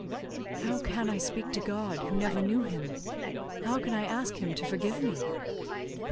"How can I speak to God, who never knew Him? How can I ask Him to forgive me?"